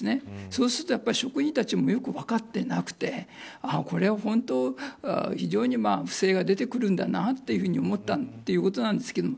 そうすると職員たちもよく分かっていなくてこれは本当に非常に不正が出てくるんだなというふうに思ったということなんですけど